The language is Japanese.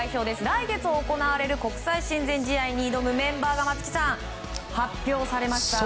来月行われる国際親善試合に挑むメンバーが松木さん、発表されました。